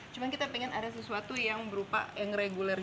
cuma kita pengen ada sesuatu yang berupa yang reguler